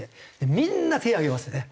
みんな手挙げますね。